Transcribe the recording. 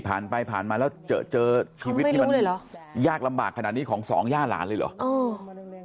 แต่ไปผ่านมาแล้วเจอชีวิตที่ยากลำบากขนาดนี้ของ๒ย่าหลานเลยหรอ